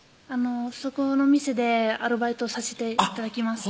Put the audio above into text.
そこの店でアルバイトさせて頂きます